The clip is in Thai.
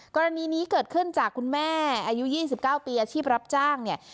กรณีนี้เกิดขึ้นจากคุณแม่อายุ๒๙ปีอาชีพรับจ้างเนี่ย